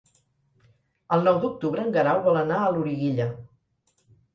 El nou d'octubre en Guerau vol anar a Loriguilla.